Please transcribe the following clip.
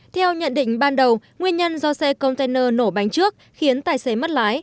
theo nhận định ban đầu nguyên nhân do xe container nổ bánh trước khiến tài xế mất lái